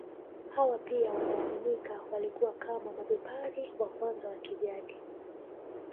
Hawa pia wanaaminika walikuwa kama mabepari wa kwanza wa kijadi